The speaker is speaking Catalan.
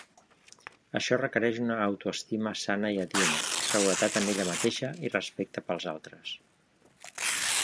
Això requereix una autoestima sana i adient, seguretat en ella mateixa i respecte pels altres.